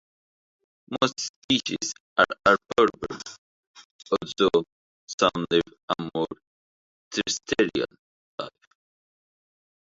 Most species are arboreal, although some live a more terrestrial life.